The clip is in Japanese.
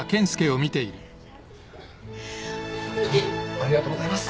ありがとうございます。